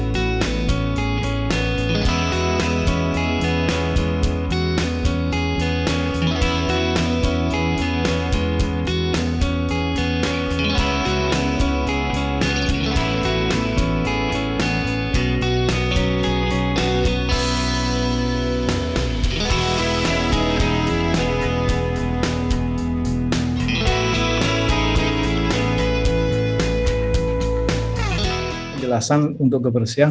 penjelasan untuk kebersihan